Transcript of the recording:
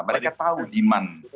mereka tahu demand